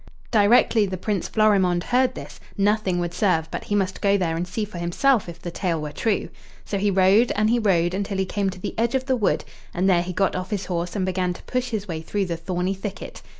Directly the Prince Florimond heard this, nothing would serve but he must go there and see for himself if the tale were true. So he rode and he rode until he came to the edge of the wood, and there he got off his horse and began to push his way through the thorny thicket.